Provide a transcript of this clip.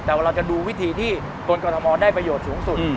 แต่ว่าเราจะดูวิธีที่คนกรทมได้ประโยชน์สูงสุด